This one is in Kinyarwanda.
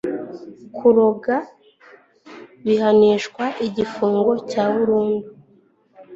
kuroga bihanishwa igifungo cya burundu